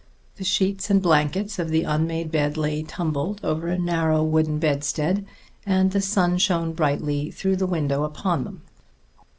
The sheets and blankets of the unmade bed lay tumbled over a narrow wooden bedstead, and the sun shone brightly through the window upon them.